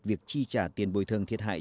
việc chi trả tiền bồi thường thiệt hại